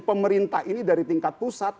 pemerintah ini dari tingkat pusat